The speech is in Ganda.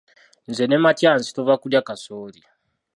Nze ne Matyansi tuva kulya kasooli.